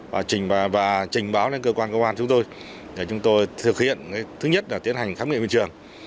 và trình báo lên cơ quan công an chúng tôi để chúng tôi thực hiện thứ nhất là tiến hành khám nghiệm hiện trường